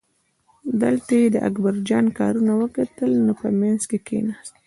دلته یې د اکبرجان کارونه وکتل نو په منځ کې کیناست.